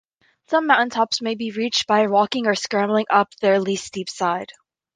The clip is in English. Some mountain tops may be reached by walking or scrambling up their least-steep side.